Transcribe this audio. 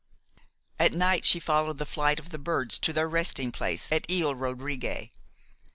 At night she followed the flight of the birds to their resting place at Ile Rodrigue.